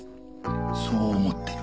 そう思ってる。